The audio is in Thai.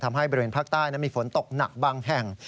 ทำให้บริเวณภาคใต้มีฝนตกหนักบางแห่ง